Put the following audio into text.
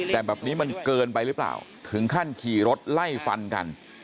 แต่แบบนี้มันเกินไปหรือเปล่าถึงขั้นขี่รถไล่ฟันกัน